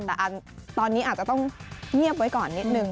แต่ตอนนี้อาจจะต้องเงียบไว้ก่อนนิดนึง